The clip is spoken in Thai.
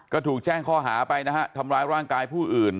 ก็ถูกแจ้งข้อหาไปนะฮะทำร้ายร่างกายผู้อื่น